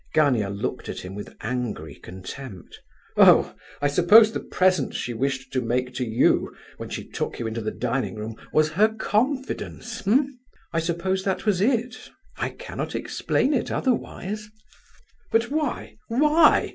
Gania looked at him with angry contempt. "Oh! I suppose the present she wished to make to you, when she took you into the dining room, was her confidence, eh?" "I suppose that was it; I cannot explain it otherwise." "But why, _why?